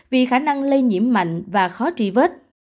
vì khả năng lây nhiễm mạnh và khó truy vết